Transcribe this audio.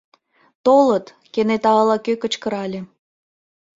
— Толыт, — кенета ала-кӧ кычкырале.